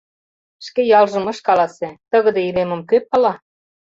Шке ялжым ыш каласе: тыгыде илемым кӧ пала?